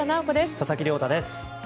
佐々木亮太です。